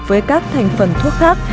với các thành phần thuốc khác